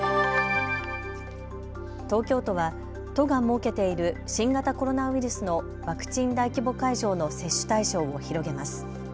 東京都は都が設けている新型コロナウイルスのワクチン大規模会場の接種対象を広げます。